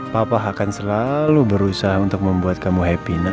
papa akan selalu berusaha untuk membuat kamu happy